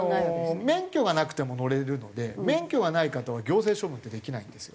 免許がなくても乗れるので免許がない方は行政処分ってできないんですよ。